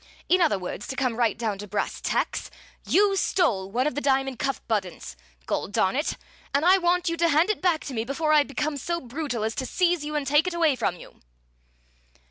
In other words, to come right down to brass tacks, you stole one of the diamond cuff buttons, gol darn it! and I want you to hand it back to me before I become so brutal as to seize you and take it away from you!"